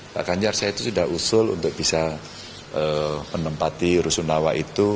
pak ganjar saya itu sudah usul untuk bisa menempati rusunawa itu